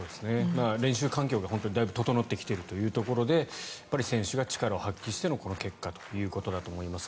練習環境がだいぶ整ってきているというところで選手が力を発揮してのこの結果だと思います。